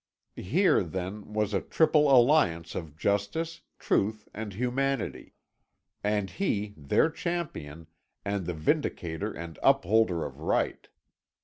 Here, then, was a triple alliance of justice, truth, and humanity and he, their champion and the vindicator and upholder of right.